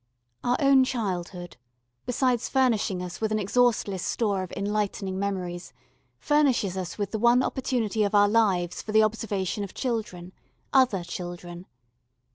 Our own childhood, besides furnishing us with an exhaustless store of enlightening memories, furnishes us with the one opportunity of our lives for the observation of children other children.